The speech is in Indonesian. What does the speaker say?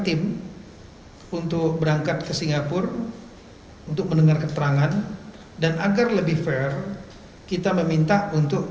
tim untuk berangkat ke singapura untuk mendengar keterangan dan agar lebih fair kita meminta untuk